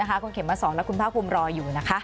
คุณเขียนมาสอนแล้วคุณพระคุมรออยู่นะคะ